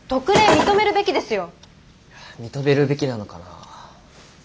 認めるべきなのかな。